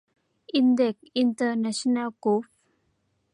อินเด็กซ์ อินเตอร์เนชั่นแนล กรุ๊ป